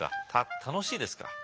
楽しいですか？